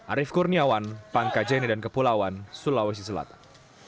arief kurniawan pangkajene dan kepulauan sulawesi selatan